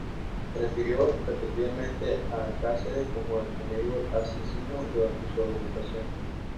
Se refirió repetidamente a Cazares como "el amigo del asesino" durante su argumentación.